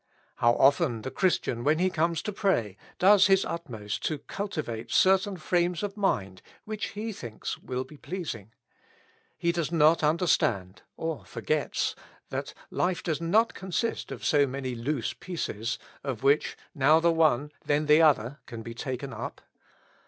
How often the Christian, when he comes to pray, does his utmost to cultivate ceitaia frames of mind which he thinks will be pleasing. He does not understand, or forgets, that life does not consist of so many loose pieces, of which, now the one, then the other, can be taken up.